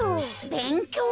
べんきょう？